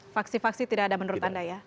faksi faksi tidak ada menurut anda ya